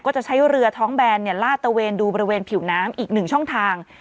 จะใช้เรือท้องแบนลาดตะเวนดูบริเวณผิวน้ำอีกหนึ่งช่องทาง